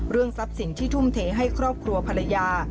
ทรัพย์สินที่ทุ่มเทให้ครอบครัวภรรยา